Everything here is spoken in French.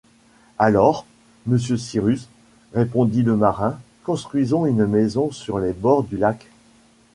Alors, monsieur Cyrus, répondit le marin, construisons une maison sur les bords du lac